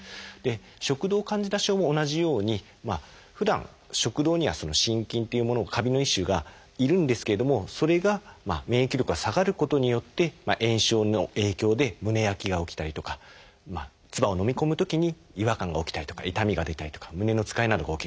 食道カンジダ症も同じようにふだん食道には真菌っていうものカビの一種がいるんですけれどもそれが免疫力が下がることによって炎症の影響で胸焼けが起きたりとか唾をのみ込むときに違和感が起きたりとか痛みが出たりとか胸のつかえなどが起きる。